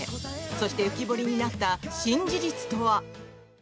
そして、浮き彫りになった新事実とは？